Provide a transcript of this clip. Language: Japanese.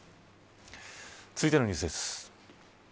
続いてのニュースです。